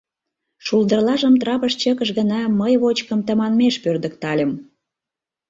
Шулдырлажым трапыш чыкыш гына — мый вочкым тыманмеш пӧрдыктальым...